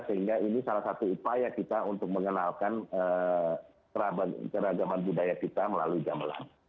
sehingga ini salah satu upaya kita untuk mengenalkan keragaman budaya kita melalui gamelan